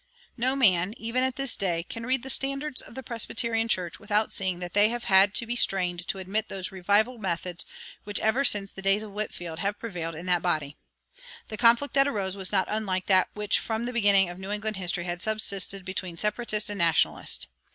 No man, even at this day, can read the "standards" of the Presbyterian Church without seeing that they have had to be strained to admit those "revival methods" which ever since the days of Whitefield have prevailed in that body. The conflict that arose was not unlike that which from the beginning of New England history had subsisted between Separatist and Nationalist.